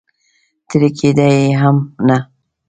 ترې کېده یې هم نه.